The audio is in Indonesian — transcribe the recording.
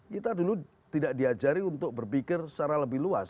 kita dulu tidak diajari untuk berpikir secara lebih luas